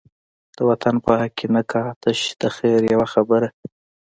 د وطن په حق کی نه کا، تش د خیر یوه خبره